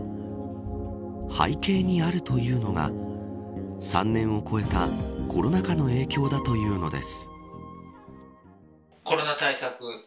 背景にあるというのが３年を超えたコロナ禍の影響だというのです。